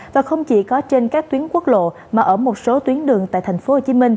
và không chỉ có trên các tuyến quốc lộ mà ở một số tuyến đường tại tp hcm